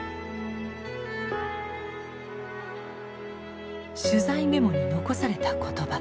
取材メモに残された言葉。